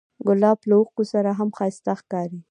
ګلاب له اوښکو سره هم ښایسته ښکاري.